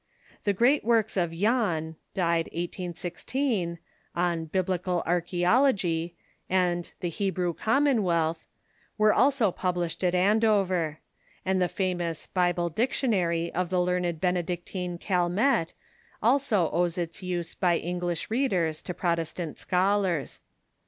The great works of Jahn (died 18] 0) on " Bib lical Arcluvology" and the "Hebrew Commonwealth" were also published at Andover ; and the famous "Bible Dictionary " of the learned Benedictine Calmet also owes its use by Eng lish readers to Protestant scholars.